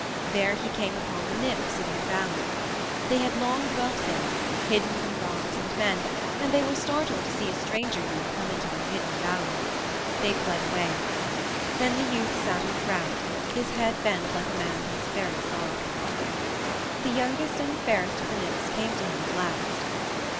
There he came upon the nymphs in their valley. They had long dwelt there, hidden from gods and men, and they were startled to see a stranger youth come into their hidden valley. They fled away. Then the youth sat on the ground, his head bent like a man who is very sorrowful. The youngest and the fairest of the nymphs came to him at last.